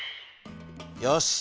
よし。